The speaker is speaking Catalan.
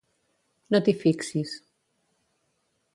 No t'hi fixis.